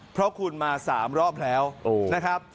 เพราะคุณมา๓รอบแล้วนะครับ